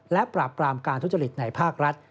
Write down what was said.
และปราบปรามการทุจริตในภาครัฐ